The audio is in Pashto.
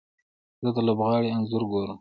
زه د لوبغاړي انځور ګورم.